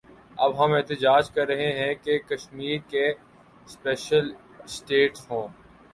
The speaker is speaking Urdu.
اب ہم احتجاج کر رہے ہیں کہ کشمیر کے سپیشل سٹیٹس کو